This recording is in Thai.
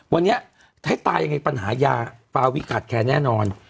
วันนี้ถ้าตายยังไงปัญหายาฟาวิขาดแค้นแน่นอน